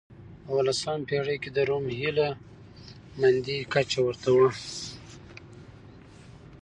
په اولسمه پېړۍ کې د روم هیله مندۍ کچه ورته و.